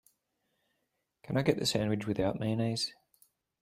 Can I get the sandwich without mayonnaise?